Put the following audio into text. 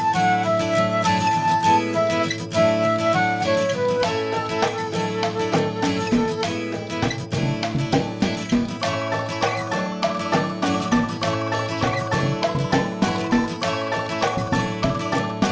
kayak negeri turbine pengabettan